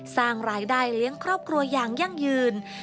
สร้างรายได้เลี้ยงครอบครัวอย่างยั่งยืน